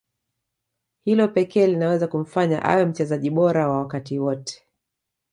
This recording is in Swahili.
Hilo pekee linaweza kumfanya awe mchezaji bora wa wakati wote